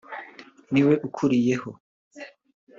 ni we ukuriyeho